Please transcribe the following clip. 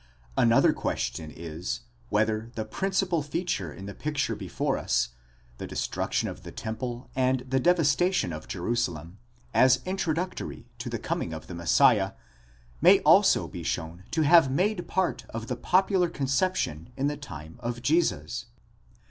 Another question is, whether the principal feature in the picture before us, the destruction of the temple and the devastation of Jerusalem, as introduc tory to the coming of the Messiah, may also be shown to have made part of the popular conception in the time of Jesus.